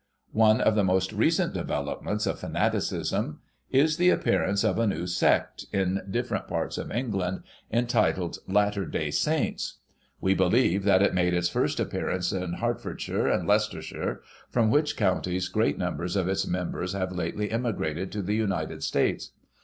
— One of the most recent developments 10* Digiti ized by Google 148 GOSSIP. [1840 of fanaticism is the appearance of a new sect, in different parts of England, entitled Latter Day Saints. We believe that it made its first appearance in Hertfordshire and Leices tershire, from which counties great numbers of its members have lately emigrated to the United States.